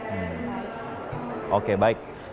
hmm oke baik